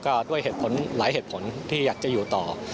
ก็ด้วยเหตุผลหลายเหตุผลที่อยากจะอยู่ต่อ